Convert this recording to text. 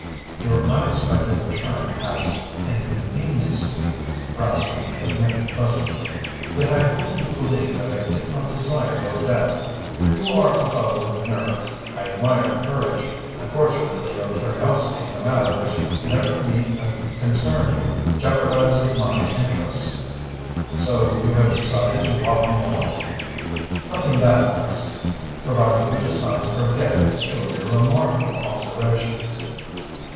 "Your unexpected return has inconvenienced me," Rascomb admitted pleasantly. "Yet, I hope you believe that I did not desire your death. You are a fellow with nerve. I admire courage. Unfortunately, your curiosity in a matter which never need have concerned you jeopardizes my interests." "So you have decided to blot me out?" "Nothing that drastic, providing you decide to forget a few of your remarkable observations."